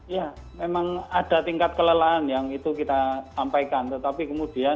ya memang ada tingkat kelelahan yang itu kita sampaikan tetapi kemudian